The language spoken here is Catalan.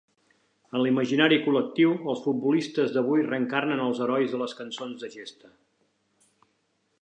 En l'imaginari col·lectiu, els futbolistes d'avui reencarnen els herois de les cançons de gesta.